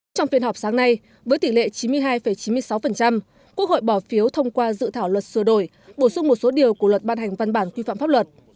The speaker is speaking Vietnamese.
trong phiên họp sáng nay với tỷ lệ chín mươi hai chín mươi sáu quốc hội bỏ phiếu thông qua dự thảo luật sửa đổi bổ sung một số điều của luật ban hành văn bản quy phạm pháp luật